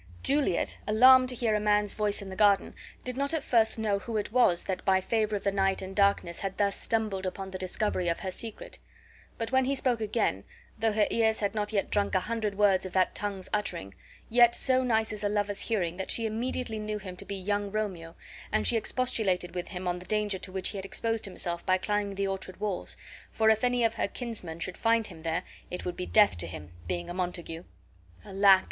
Juliet, alarmed to hear a man's voice in the garden, did not at first know who it was that by favor of the night and darkness had thus stumbled upon the discovery of her secret; but when he spoke again, though her ears had not yet drunk a hundred words of that tongue's uttering, yet so nice is a lover's hearing that she immediately knew him to be young Romeo, and she expostulated with him on the danger to which he had exposed himself by climbing the orchard walls, for if any of her kinsmen should find him there it would be death to him, being a Montague. "Alack!"